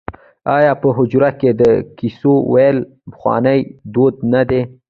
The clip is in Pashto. آیا په حجره کې د کیسو ویل پخوانی دود نه دی؟